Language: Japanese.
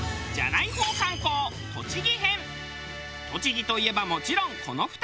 栃木といえばもちろんこの２人。